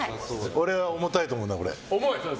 これは重たいと思うな、俺。